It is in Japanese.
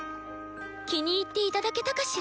気に入って頂けたかしら。